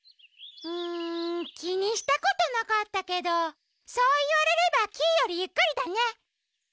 うんきにしたことなかったけどそういわれればキイよりゆっくりだね。